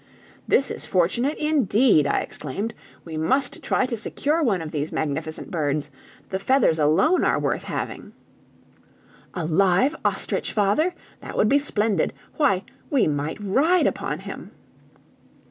"This is fortunate, indeed!" I exclaimed; "we must try to secure one of these magnificent birds; the feathers alone are worth having." "A live ostrich, father! that would be splendid. Why, we might ride upon him!"